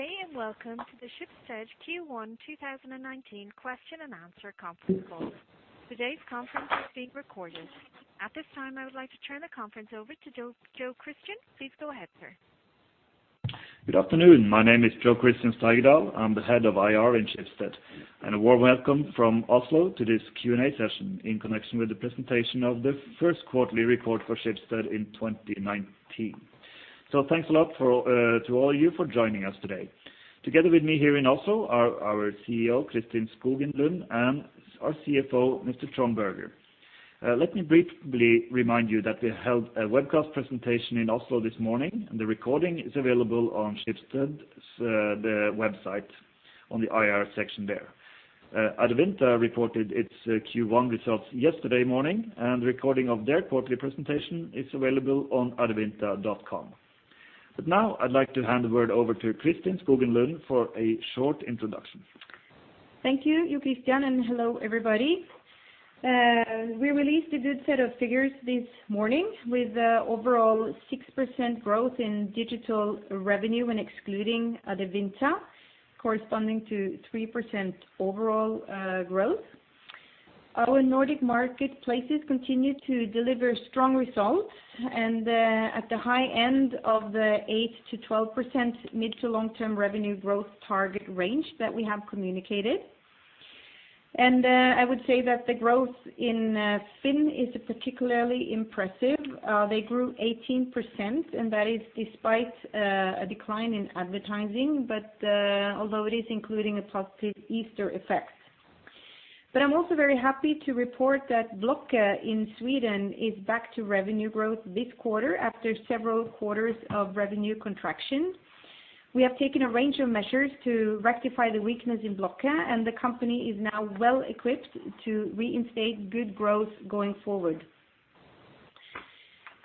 Good day, and welcome to the Schibsted Q1 2019 Q&A conference call. Today's conference is being recorded. At this time, I would like to turn the conference over to Jo Christian. Please go ahead, sir. Good afternoon. My name is Jo Christian Steigedal. I'm the Head of IR in Schibsted, a warm welcome from Oslo to this Q&A session in connection with the presentation of the Q1ly report for Schibsted in 2019. Thanks a lot for to all you for joining us today. Together with me here in Oslo are our CEO, Kristin Skogen Lund, and our CFO, Mr. Trond Berger. Let me briefly remind you that we held a webcast presentation in Oslo this morning, the recording is available on Schibsted's the website on the IR section there. Adevinta reported its Q1 results yesterday morning, recording of their quarterly presentation is available on adevinta.com. Now I'd like to hand the word over to Kristin Skogen Lund for a short introduction. Thank you, Jo Christian, and hello, everybody. We released a good set of figures this morning with overall 6% growth in digital revenue when excluding Adevinta, corresponding to 3% overall growth. Our Nordic marketplaces continue to deliver strong results and at the high end of the 8%-12% mid to long-term revenue growth target range that we have communicated. I would say that the growth in FINN is particularly impressive. They grew 18%, and that is despite a decline in advertising, but although it is including a positive Easter effect. I'm also very happy to report that Blocket in Sweden is back to revenue growth this quarter after several quarters of revenue contraction. We have taken a range of measures to rectify the weakness in Blocket, and the company is now well equipped to reinstate good growth going forward.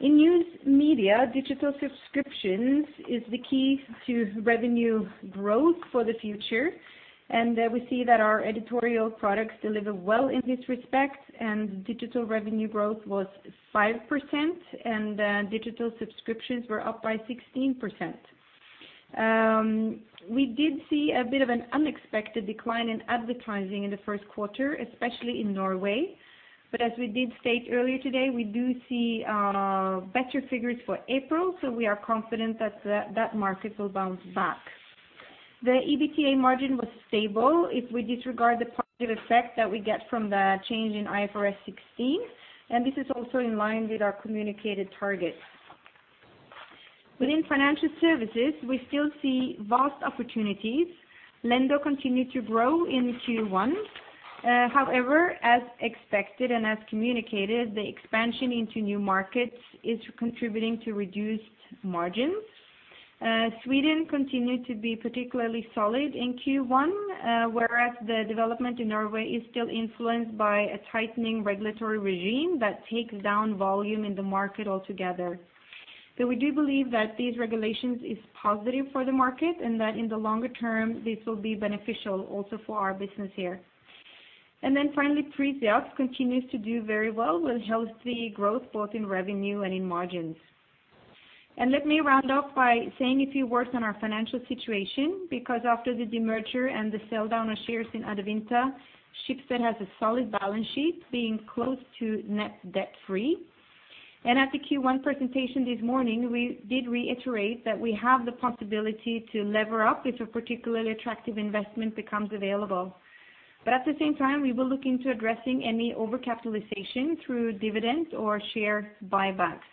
In news media, digital subscriptions is the key to revenue growth for the future, and we see that our editorial products deliver well in this respect, and digital revenue growth was 5%, and digital subscriptions were up by 16%. We did see a bit of an unexpected decline in advertising in the Q1, especially in Norway. As we did state earlier today, we do see better figures for April, so we are confident that market will bounce back. The EBITDA margin was stable if we disregard the positive effect that we get from the change in IFRS 16, and this is also in line with our communicated targets. Within financial services, we still see vast opportunities. Lendo continued to grow in Q1. However, as expected and as communicated, the expansion into new markets is contributing to reduced margins. Sweden continued to be particularly solid in Q1, whereas the development in Norway is still influenced by a tightening regulatory regime that takes down volume in the market altogether. We do believe that these regulations is positive for the market and that in the longer term, this will be beneficial also for our business here. Finally, Tretti continues to do very well with healthy growth both in revenue and in margins. Let me round off by saying a few words on our financial situation, because after the demerger and the sell down of shares in Adevinta, Schibsted has a solid balance sheet being close to net debt free. At the Q1 presentation this morning, we did reiterate that we have the possibility to lever up if a particularly attractive investment becomes available. At the same time, we will look into addressing any overcapitalization through dividends or share buybacks.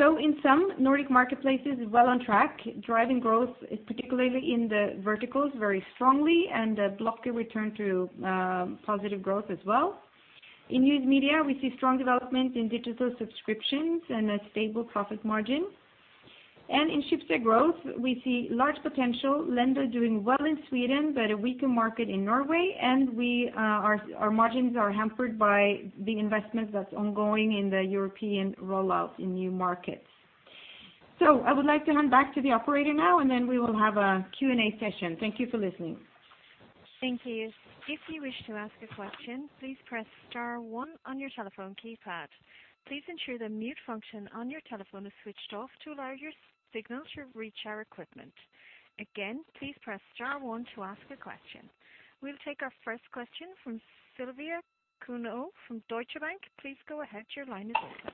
In sum, Nordic marketplaces is well on track, driving growth, particularly in the verticals, very strongly, and Blocket returned to positive growth as well. In news media, we see strong development in digital subscriptions and a stable profit margin. In Schibsted Growth, we see large potential, Lendo doing well in Sweden, but a weaker market in Norway, and we, our margins are hampered by the investment that's ongoing in the European rollout in new markets. I would like to hand back to the operator now and we will have a Q&A session. Thank you for listening. Thank you. If you wish to ask a question, please press star one on your telephone keypad. Please ensure the mute function on your telephone is switched off to allow your signal to reach our equipment. Again, please press star one to ask a question. We'll take our first question from Silvia Cuneo from Deutsche Bank. Please go ahead. Your line is open.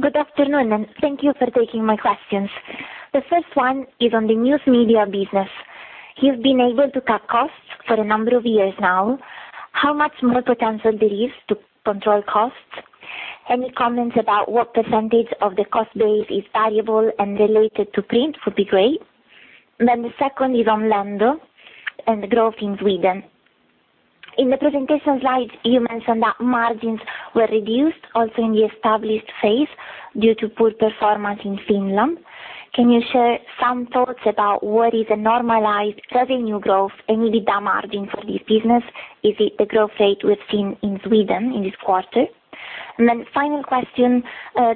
Good afternoon, and thank you for taking my questions. The first one is on the news media business. You've been able to cut costs for a number of years now. How much more potential there is to control costs? Any comments about what % of the cost base is variable and related to print would be great. The second is on Lendo and the growth in Sweden. In the presentation slide, you mentioned that margins were reduced also in the established phase due to poor performance in Finland. Can you share some thoughts about what is a normalized revenue growth and EBITDA margin for this business? Is it the growth rate we've seen in Sweden in this quarter? Final question,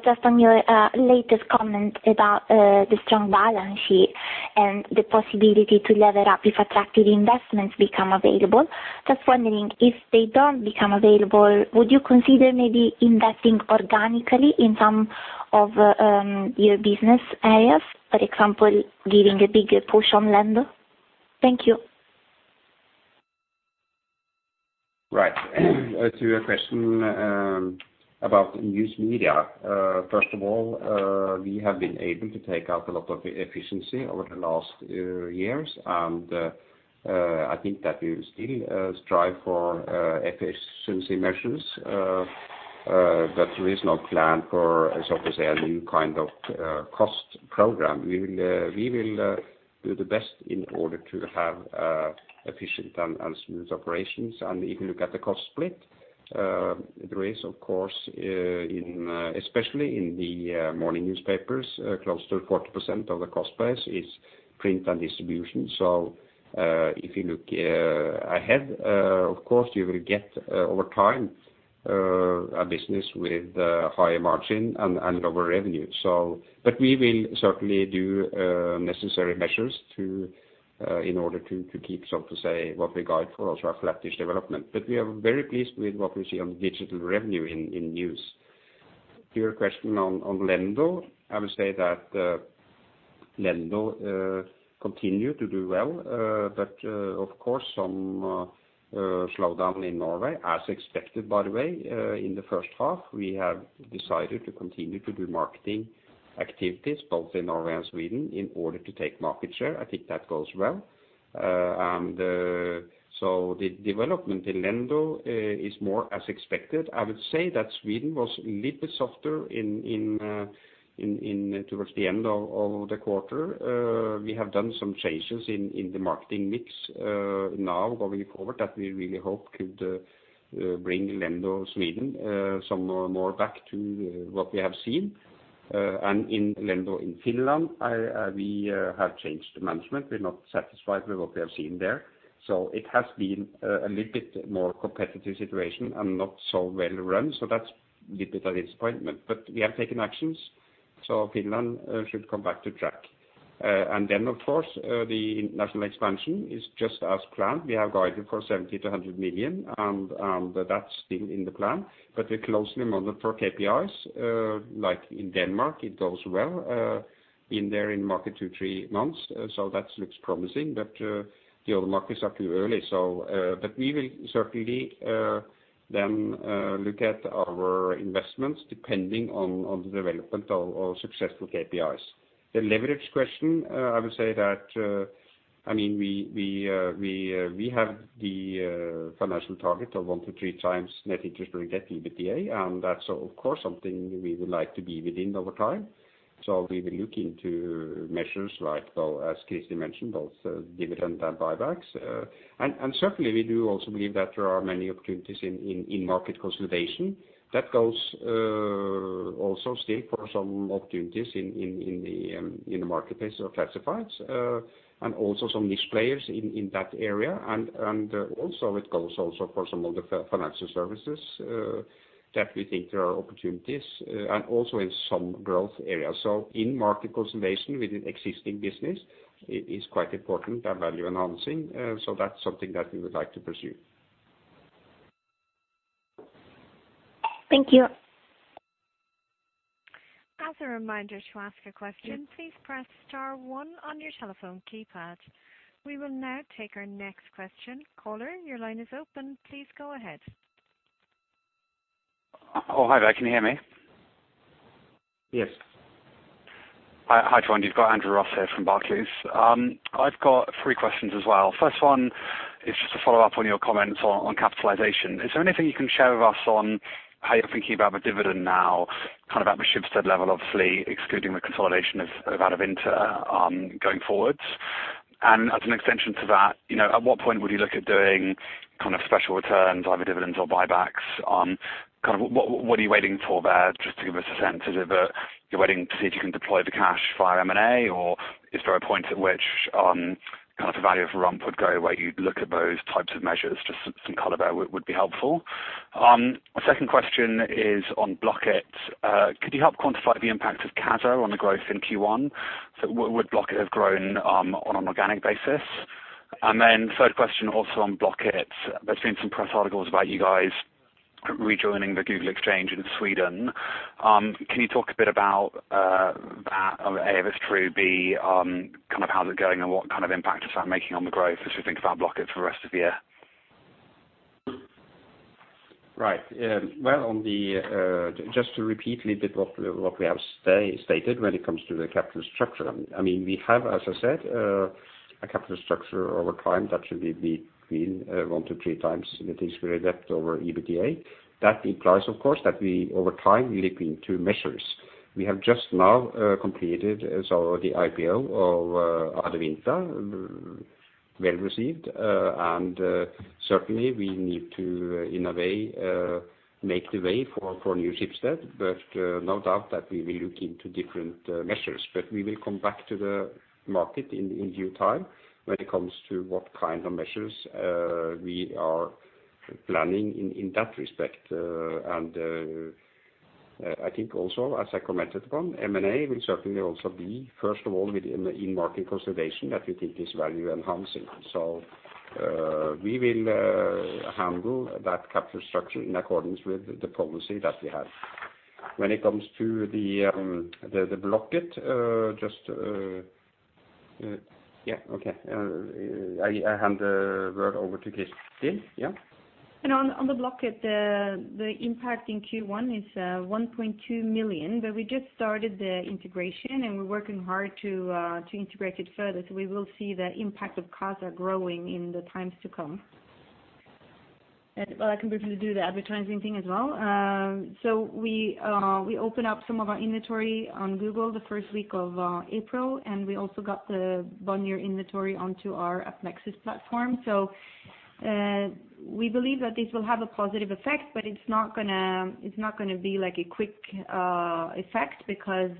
just on your latest comment about the strong balance sheet and the possibility to lever up if attractive investments become available. Just wondering if they don't become available, would you consider maybe investing organically in some of your business areas, for example, giving a bigger push on Lendo? Thank you. Right. To your question about news media. first of all, we have been able to take out a lot of efficiency over the last years. I think that we still strive for efficiency measures. but there is no plan for, so to say, a new kind of cost program. We will do the best in order to have efficient and smooth operations. If you look at the cost split, there is of course, in, especially in the morning newspapers, close to 40% of the cost base is print and distribution. If you look ahead, of course, you will get over time a business with higher margin and lower revenue. So. We will certainly do necessary measures to in order to keep, so to say, what we guide for also our flattish development. We are very pleased with what we see on digital revenue in news. To your question on Lendo, I would say that Lendo continue to do well. Of course, some slowdown in Norway, as expected, by the way, in the H1. We have decided to continue to do marketing activities both in Norway and Sweden in order to take market share. I think that goes well. So the development in Lendo is more as expected. I would say that Sweden was a little bit softer in towards the end of the quarter. We have done some changes in the marketing mix now going forward that we really hope could bring Lendo Sweden some more back to what we have seen. In Lendo in Finland, I, we have changed the management. We're not satisfied with what we have seen there. It has been a little bit more competitive situation and not so well run, so that's a little bit of disappointment. We have taken actions, so Finland should come back to track. Of course, the international expansion is just as planned. We have guided for 70 million-100 million, and that's still in the plan. We closely monitor KPIs, like in Denmark, it goes well, been there in market 2, 3 months, so that looks promising. The other markets are too early. We will certainly look at our investments depending on the development of successful KPIs. The leverage question, I would say that, I mean, we have the financial target of 1x-3x net interest we get, EBITDA, and that's of course something we would like to be within over time. We will look into measures like, well, as Christi mentioned, both dividend and buybacks. Certainly we do also believe that there are many opportunities in market consolidation. That goes also still for some opportunities in the marketplace of classifieds, and also some niche players in that area. Also it goes also for some of the financial services that we think there are opportunities and also in some growth areas. In-market consolidation within existing business is quite important and value-enhancing, that's something that we would like to pursue. Thank you. As a reminder to ask a question, please press star one on your telephone keypad. We will now take our next question. Caller, your line is open. Please go ahead. Oh, hi there. Can you hear me? Yes. Hi, hi, Trond. You've got Andrew Ross here from Barclays. I've got 3 questions as well. First one is just a follow-up on your comments on capitalization. Is there anything you can share with us on how you're thinking about the dividend now, kind of at the Schibsted level, obviously excluding the consolidation of Adevinta, going forwards? As an extension to that, you know, at what point would you look at doing kind of special returns, either dividends or buybacks? Kind of what are you waiting for there, just to give us a sense? Is it that you're waiting to see if you can deploy the cash via M&A, or is there a point at which, kind of the value for Rump would go where you'd look at those types of measures? Just some color there would be helpful. My second question is on Blocket. Could you help quantify the impact of Cado on the growth in Q1? Would Blocket have grown on an organic basis? Third question also on Blocket. There's been some press articles about you guys rejoining the Google Exchange in Sweden. Can you talk a bit about that? A, if it's true, B, kind of how's it going and what kind of impact is that making on the growth as you think about Blocket for the rest of the year? Right. Well, on the, just to repeat a little bit what we have stated when it comes to the capital structure. I mean, we have, as I said, a capital structure over time that should be between 1 to 3 times net interest-bearing debt over EBITDA. That implies, of course, that we over time look into measures. We have just now completed, as already IPO of Adevinta, well received. Certainly we need to, in a way, make the way for new Schibsted, no doubt that we will look into different measures. We will come back to the market in due time when it comes to what kind of measures we are planning in that respect. I think also, as I commented upon, M&A will certainly also be, first of all, within the in-market consolidation that we think is value enhancing. We will handle that capital structure in accordance with the policy that we have. When it comes to the Blocket, I hand the word over to Kristine. On the Blocket, the impact in Q1 is 1.2 million. We just started the integration and we're working hard to integrate it further. We will see the impact of costs are growing in the times to come. Well, I can briefly do the advertising thing as well. We open up some of our inventory on Google the first week of April, and we also got the Bonnier inventory onto our AppNexus platform. We believe that this will have a positive effect, but it's not gonna be like a quick effect because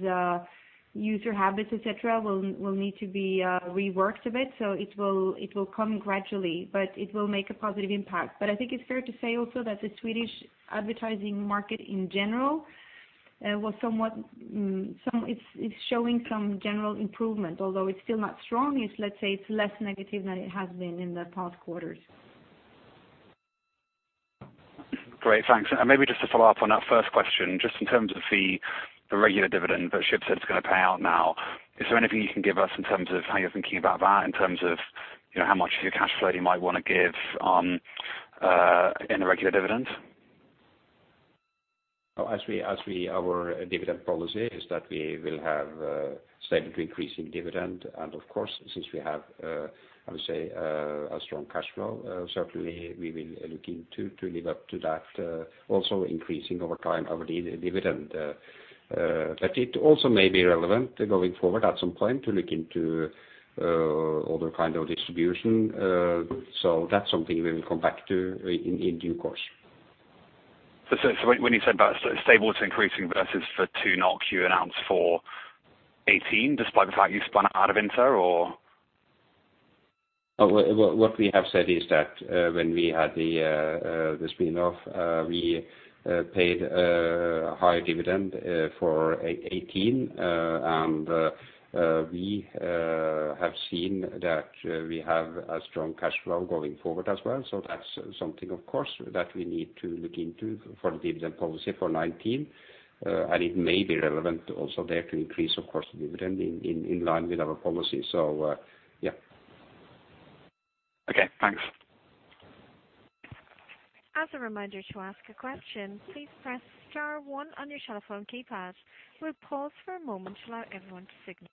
user habits, et cetera, will need to be reworked a bit. It will come gradually, it will make a positive impact. I think it's fair to say also that the Swedish advertising market in general was somewhat, it's showing some general improvement, although it's still not strong. It's let's say it's less negative than it has been in the past quarters. Great. Thanks. Maybe just to follow up on that first question, just in terms of the regular dividend that Schibsted's gonna pay out now, is there anything you can give us in terms of how you're thinking about that in terms of, you know, how much of your cash flow you might wanna give, in the regular dividend? Our dividend policy is that we will have stable to increasing dividend. Of course, since we have I would say a strong cash flow, certainly we will looking to live up to that, also increasing over time our dividend. It also may be relevant going forward at some point to look into other kind of distribution. That's something we will come back to in due course. When you said about stable to increasing versus for 2 NOK you announced for 2018, despite the fact you spun out of Adevinta or? What we have said is that when we had the spin-off, we paid a higher dividend for 18. We have seen that we have a strong cash flow going forward as well. That's something of course that we need to look into for dividend policy for 19. It may be relevant also there to increase of course the dividend in line with our policy. Yeah. Okay. Thanks. As a reminder to ask a question, please press star one on your cell phone keypad. We'll pause for a moment to allow everyone to signal.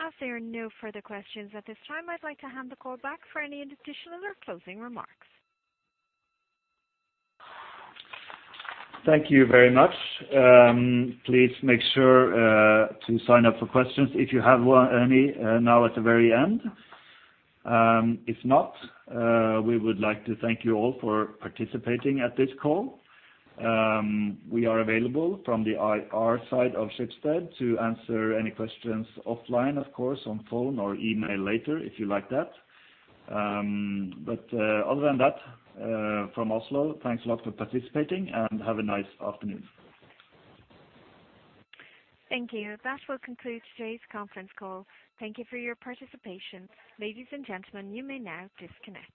As there are no further questions at this time, I'd like to hand the call back for any additional or closing remarks. Thank you very much. Please make sure to sign up for questions if you have any now at the very end. If not, we would like to thank you all for participating at this call. We are available from the IR side of Schibsted to answer any questions offline, of course, on phone or email later if you like that. Other than that, from Oslo, thanks a lot for participating and have a nice afternoon. Thank you. That will conclude today's conference call. Thank you for your participation. Ladies and gentlemen, you may now disconnect.